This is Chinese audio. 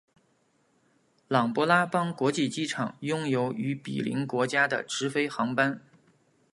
琅勃拉邦国际机场拥有与毗邻国家的直飞航班。